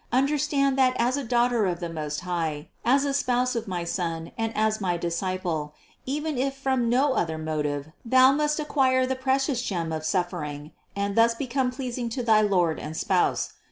Understand that as a daughter of the Most High, as a spouse of my Son, and as my disciple, even if from no other motive, thou must acquire the precious gem of suffering and thus be come pleasing to thy Lord and Spouse.